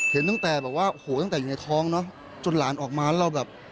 เห็นตั้งแต่อยู่ในท้องจนหลานออกมาแล้วเราแบบ